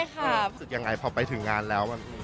ความรู้สึกอย่างไรพอไปถึงงานแล้วมัน